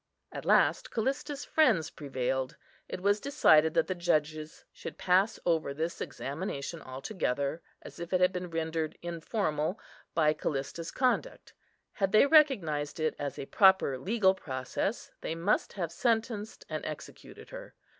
" At last Callista's friends prevailed. It was decided that the judges should pass over this examination altogether, as if it had been rendered informal by Callista's conduct. Had they recognised it as a proper legal process, they must have sentenced and executed her.